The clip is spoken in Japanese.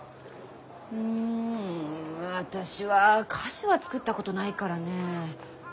うん私は菓子は作ったことないからねえ。